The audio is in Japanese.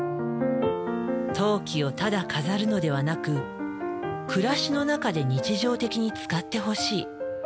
陶器をただ飾るのではなく「暮らしの中で日常的に使ってほしい」。